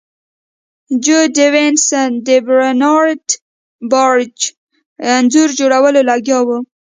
جو ډیویډ سن د برنارډ باروچ انځور جوړولو لګیا و